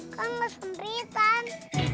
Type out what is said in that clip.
kan ga senderitan